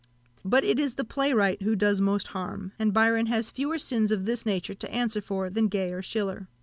But it is the playwright who does most harm; and Byron has fewer sins of this nature to answer for than Gay or Schiller.